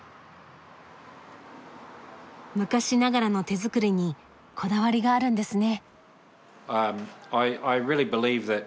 昔ながらの手作りにこだわりがあるんですね。